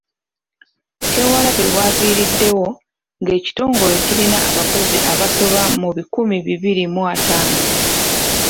Kyewalabye w’aviiriddewo nga ekitongole kirina abakozi abasoba mu bikumi bibiri mu ataano.